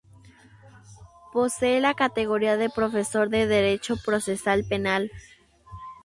Posee la categoría de Profesor de Derecho Procesal Penal.